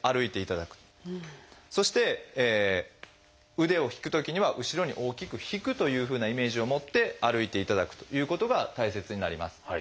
そして腕を引くときには後ろに大きく引くというふうなイメージを持って歩いていただくということが大切になります。